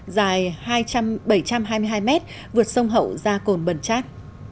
dài bảy trăm hai mươi hai mét vượt sông hậu ra cổn bần chát